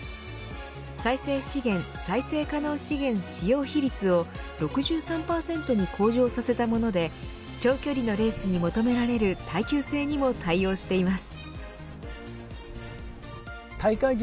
再生資源・再生可能資源使用比率を６３％に向上させたもので長距離のレースに求められる耐久性にも対応しています。